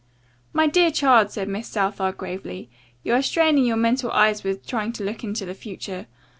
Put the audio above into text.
"My dear child," said Miss Southard gravely. "You are straining your mental eyes with trying to look into the future.